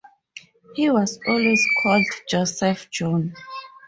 He was always called Joseph John.